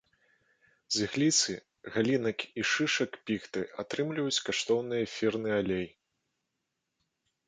З ігліцы, галінак і шышак піхты атрымліваюць каштоўны эфірны алей.